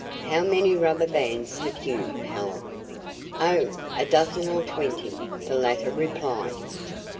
How many rubber bands have you, Helen?" "Oh, a dozen or twenty," the latter replied.